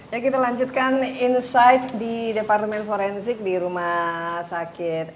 ya kita lanjutkan insight di departemen forensik di rumah sakit